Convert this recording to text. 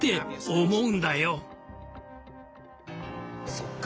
そっか！